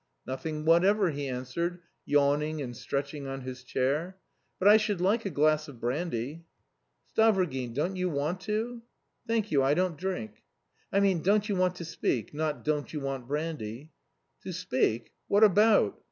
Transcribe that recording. "Nothing whatever," he answered, yawning and stretching on his chair. "But I should like a glass of brandy." "Stavrogin, don't you want to?" "Thank you, I don't drink." "I mean don't you want to speak, not don't you want brandy." "To speak, what about?